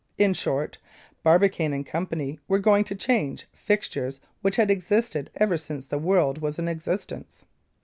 In short, Barbicane & Co. were going to change fixtures which had existed ever since the world was in existence.